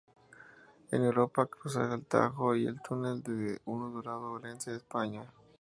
En Europa, cruzar el Tajo y el túnel de un Dorado-Ourense, España.